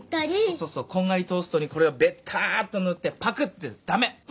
そうそうこんがりトーストにこれをべたっと塗ってぱくって駄目こら。